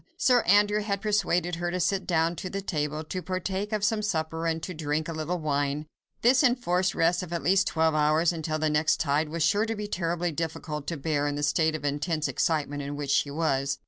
Sir Andrew had persuaded her to sit down to the table, to partake of some supper and to drink a little wine. This enforced rest of at least twelve hours, until the next tide, was sure to be terribly difficult to bear in the state of intense excitement in which she was.